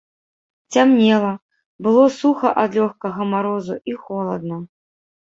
Цямнела, было суха ад лёгкага марозу і холадна.